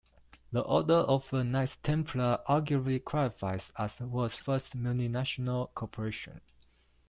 The Order of the Knights Templar arguably qualifies as the world's first multinational corporation.